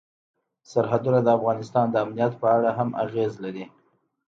سرحدونه د افغانستان د امنیت په اړه هم اغېز لري.